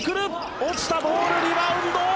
落ちたボール、リバウンド！